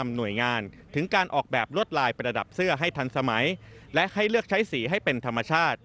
หลับเสื้อให้ทันสมัยและให้เลือกใช้สีให้เป็นธรรมชาติ